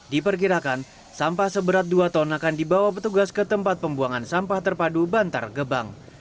diperkirakan sampah seberat dua ton akan dibawa petugas ke tempat pembuangan sampah terpadu bantar gebang